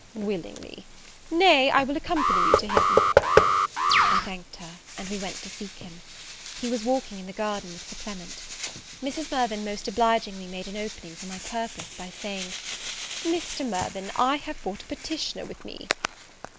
"Willingly: nay, I will accompany you to him." I thanked her, and we went to seek him. He was walking in the garden with Sir Clement. Mrs. Mirvan most obligingly made an opening for my purpose, by saying, "Mr. Mirvan, I have brought a petitioner with me."